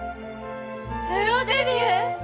プロデビュー！